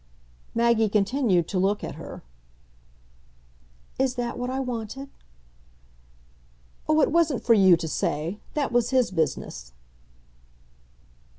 Maggie continued to look at her. "Is that what I wanted?" "Oh, it wasn't for you to say. That was his business."